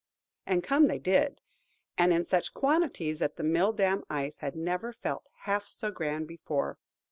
And come they did; and in such quantities, that the mill dam Ice had never felt half so grand before.